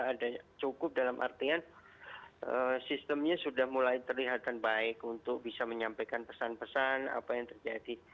ada cukup dalam artian sistemnya sudah mulai terlihat baik untuk bisa menyampaikan pesan pesan apa yang terjadi